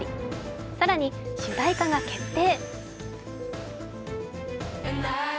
更に主題歌が決定。